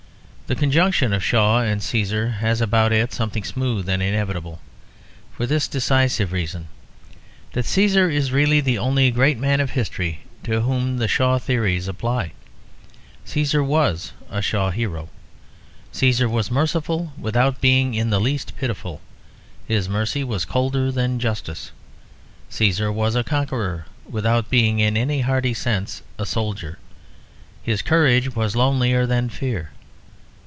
The conjunction of Shaw and Cæsar has about it something smooth and inevitable; for this decisive reason, that Cæsar is really the only great man of history to whom the Shaw theories apply. Cæsar was a Shaw hero. Cæsar was merciful without being in the least pitiful; his mercy was colder than justice. Cæsar was a conqueror without being in any hearty sense a soldier; his courage was lonelier than fear.